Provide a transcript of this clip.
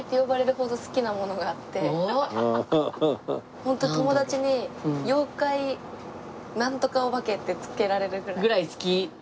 ホント友達に妖怪なんとかお化けってつけられるぐらい。ぐらい好き？